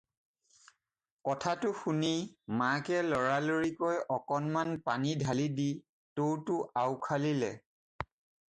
কথাটো শুনি - মাকে লৰালৰিকৈ অকণমান পানী ঢালি দি টৌটো আওখালিলে।